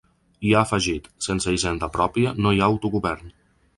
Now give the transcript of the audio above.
I ha afegit: Sense hisenda pròpia no hi ha autogovern.